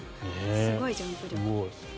すごいジャンプ力。